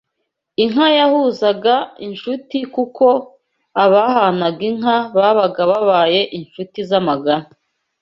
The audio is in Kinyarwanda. Inka yahuzaga inshuti kuko abahanaga inka babaga babaye inshuti z’amagara